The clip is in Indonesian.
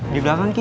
di belakang ki